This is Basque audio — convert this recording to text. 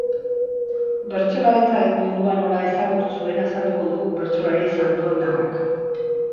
Bertsolaritzaren mundua nola ezagutu zuen azalduko du bertsolari zalduondarrak.